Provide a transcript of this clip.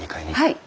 はい。